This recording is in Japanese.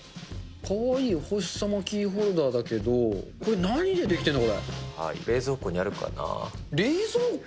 かわいいお星様キーホルダーだけど、これ、何で出来ているんだ？